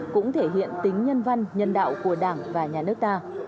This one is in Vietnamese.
cũng thể hiện tính nhân văn nhân đạo của đảng và nhà nước ta